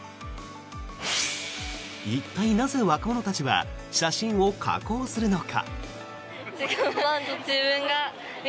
一体、なぜ若者たちは写真を加工するのか。